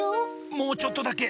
もうちょっとだけ。